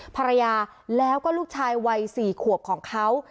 ภรรยาแล้วก็ลูกชายวัย๔ขวบของเขา